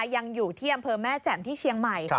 ยังอยู่ที่อำเภอแม่แจ่มที่เชียงใหม่